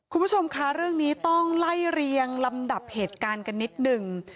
คุณผู้ชมคะเรื่องนี้ต้องไล่เรียงลำดับเหตุการณ์กันนิดหนึ่ง